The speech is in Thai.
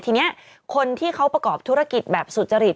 ทีนี้คนที่เขาประกอบธุรกิจแบบสุจริต